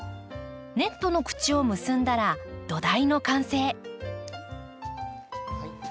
ネットの口を結んだら土台の完成。